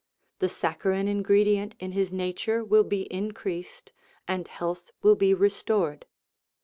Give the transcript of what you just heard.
The saccharine ingredient in his nature will be increased, and health will be restored.